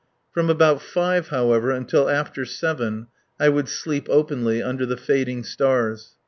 From about five, however, until after seven I would sleep openly under the fading stars.